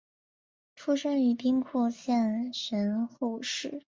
出身于兵库县神户市。